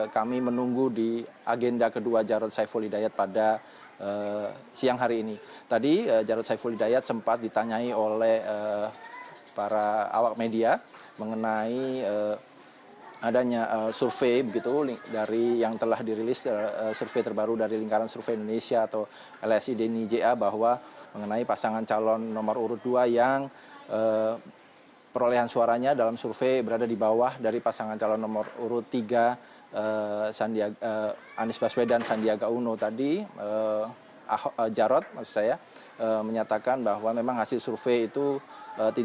ketua umum pdi perjuangan yang juga presiden ri